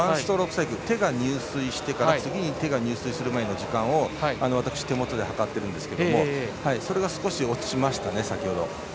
手が入水してから次に手が入水するまでの時間を私、手元で計ってるんですがそれが少し落ちましたね。